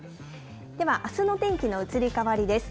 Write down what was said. ではあすの天気の移り変わりです。